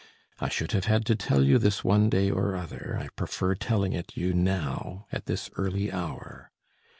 I should have had to tell you this one day or other; I prefer telling it you now, at this early hour.